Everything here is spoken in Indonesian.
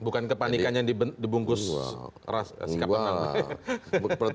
bukan kepanikan yang dibungkus sikap menang